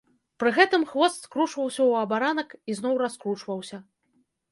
Пры гэтым хвост скручваўся ў абаранак і зноў раскручваўся.